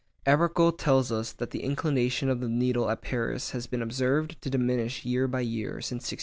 Arago tells us that the inclination of the needle at Paris has been observed to diminish year by year since 1671.